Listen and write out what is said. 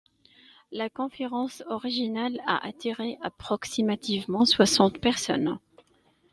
La conférence originale a attiré approximativement soixante personnes.